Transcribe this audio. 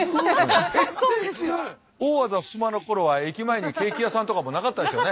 大字衾の頃は駅前にケーキ屋さんとかもなかったでしょうね。